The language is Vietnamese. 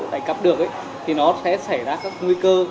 tài cấp được thì nó sẽ xảy ra các nguy cơ